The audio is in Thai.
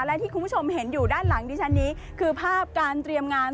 และที่คุณผู้ชมเห็นอยู่ด้านหลังดิฉันนี้คือภาพการเตรียมงาน